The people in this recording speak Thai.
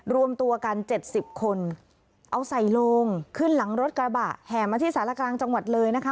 รวมตัวกันเจ็ดสิบคนเอาใส่โลงขึ้นหลังรถกระบะแห่มาที่สารกลางจังหวัดเลยนะคะ